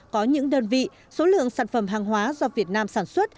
có những đơn vị số lượng sản phẩm hàng hóa do việt nam sản xuất